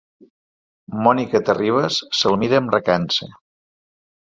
Mònica Terribas se'l mira amb recança.